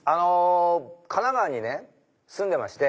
神奈川にね住んでまして。